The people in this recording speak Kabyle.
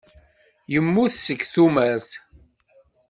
Yemmut seg tumert.